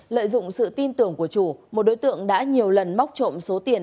lợi dụng sự tin tưởng của chủ một đối tượng đã nhiều lần móc trộm số tiền